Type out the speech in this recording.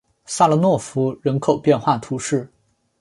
萨勒诺夫人口变化图示